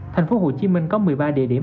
thành phố hồ chí minh có một mươi ba địa điểm